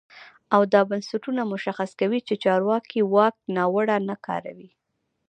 او دا بنسټونه مشخص کوي چې چارواکي واک ناوړه نه کاروي.